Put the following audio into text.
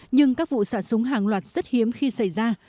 nhưng các vụ xả súng hàng loạt rất hiếm khi xảy ra